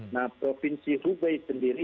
nah provinsi hubei sendiri